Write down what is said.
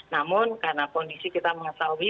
namun karena kondisi kita mengetahui